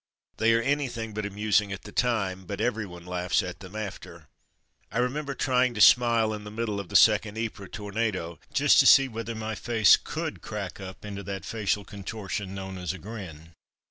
They are anything but amusing at the time, but everyone laughs at them after. I remember trying to smile in the middle of the second Ypres tornado, just to see whether my face could crack up into that fa cial contortion known as a grin.